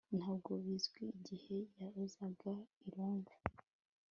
Ntabwo bizwi igihe yazaga i Londres